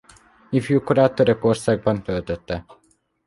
Ifjúkorát Törökországban töltötte.